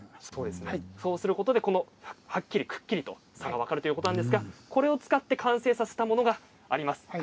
はっきりくっきり差が分かるということなんですがこれを使って完成させたものがあります。